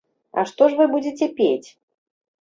А што ж вы будзеце пець?